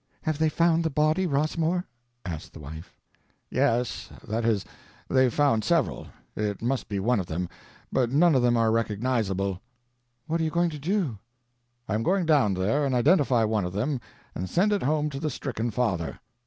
"Have they found the body, Rossmore?" asked the wife. "Yes, that is, they've found several. It must be one of them, but none of them are recognizable." "What are you going to do?" "I am going down there and identify one of them and send it home to the stricken father."